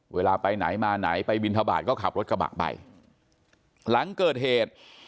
เวลาไปไหนมาไหนไปบินทบาทก็ขับรถกระบะไปหลังเกิดเหตุ